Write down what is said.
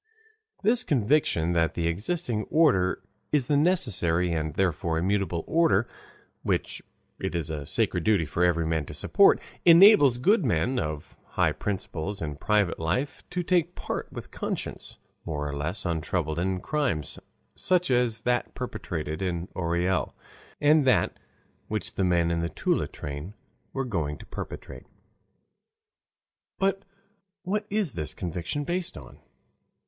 This conviction that the existing order is the necessary and therefore immutable order, which it is a sacred duty for every man to support, enables good men, of high principles in private life, to take part with conscience more or less untroubled in crimes such as that perpetrated in Orel, and that which the men in the Toula train were going to perpetrate. But what is this conviction based on?